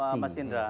maaf pak mas indra